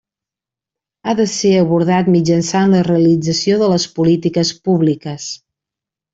Ha de ser abordat mitjançant la realització de les polítiques públiques.